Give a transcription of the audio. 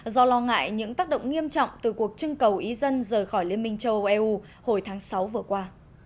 do lo ngại những tác động nghiêm trọng từ cuộc trưng cầu ý dân rời khỏi liên minh châu âu eu hồi tháng sáu vừa qua